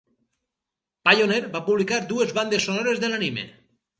Pioneer va publicar dues bandes sonores de l'anime.